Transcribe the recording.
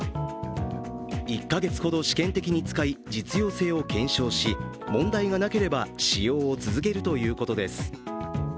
１か月ほど試験的に使い、実用性を検証し、問題がなければ使用を続けるということです。